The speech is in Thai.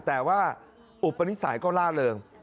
แต่ว่าอุปนิสัยก็ล่าเริง